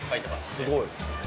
すごい。